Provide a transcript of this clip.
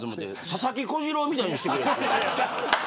佐々木小次郎みたいにしてって。